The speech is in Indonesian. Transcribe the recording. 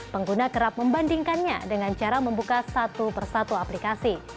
pengguna kerap membandingkannya dengan cara membuka satu persatu aplikasi